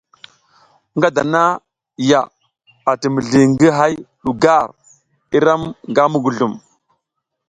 Nga dana ya ati mizli ngi hay du gar i ram nga muguzlum.